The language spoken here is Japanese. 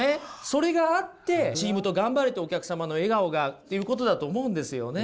それがあってチームと頑張れてお客様の笑顔がっていうことだと思うんですよね。